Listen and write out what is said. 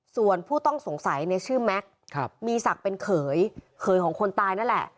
ส่วนผู้ต้องสงสัยเนี่ยชื่อแม็กซ์มีศักดิ์เป็นเขยเขยของคนตายนั่นแหละ